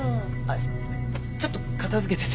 あっちょっと片付けてて。